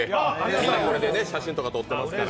みんなこれで写真とか撮ってますから。